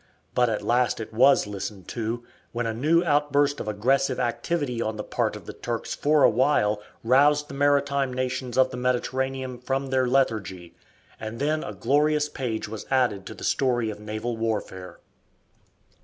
But at last it was listened to, when a new outburst of aggressive activity on the part of the Turks for a while roused the maritime nations of the Mediterranean from their lethargy, and then a glorious page was added to the story of naval warfare.